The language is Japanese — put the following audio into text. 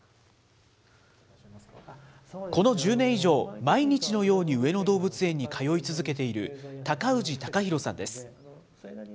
この１０年以上、毎日のように上野動物園に通い続けている、高氏貴博さんです。